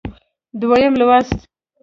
دویم لوست